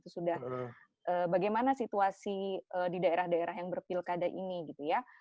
sudah bagaimana situasi di daerah daerah yang berpilkada ini gitu ya